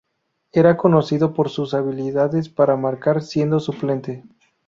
Era conocido por sus habilidades para marcar siendo suplente.